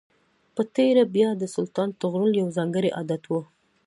په تېره بیا د سلطان طغرل یو ځانګړی عادت و.